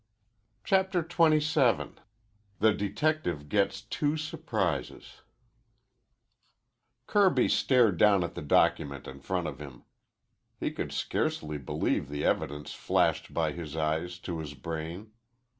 CHAPTER XXVII THE DETECTIVE GETS TWO SURPRISES Kirby stared down at the document in front of him. He could scarcely believe the evidence flashed by his eyes to his brain.